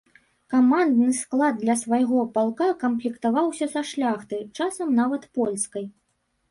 Камандны склад для свайго палка камплектаваўся са шляхты, часам нават польскай.